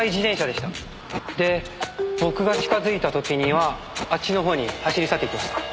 で僕が近づいた時にはあっちの方に走り去っていきました。